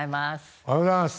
おはようございます。